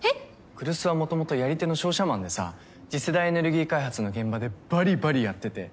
来栖はもともとやり手の商社マンでさ次世代エネルギー開発の現場でばりばりやってて。